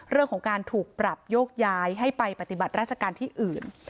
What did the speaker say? เรื่องของการถูกปรับโยกย้ายให้ไปปฏิบัติราชการที่อื่น